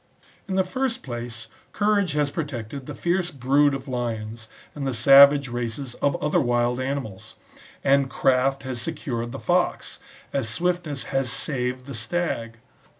In the first place, courage has protected the fierce brood of lions, and the savage races of other wild animals ; and craft has secured the fox, as swiftness has saved the stag.